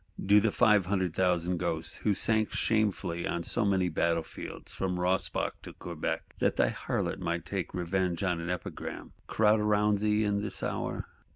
Do the "five hundred thousand" ghosts, who sank shamefully on so many battle fields from Rossbach to Quebec, that thy Harlot might take revenge for an epigram,—crowd round thee in this hour?